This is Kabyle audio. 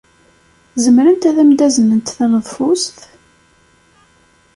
Zemrent ad am-d-aznent taneḍfust?